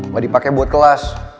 gak dipake buat kelas